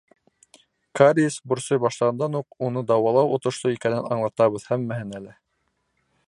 Кариес борсой башлағандан уҡ уны дауалау отошло икәнен аңлатабыҙ һәммәһенә лә.